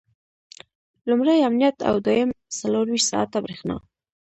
لومړی امنیت او دویم څلرویشت ساعته برېښنا.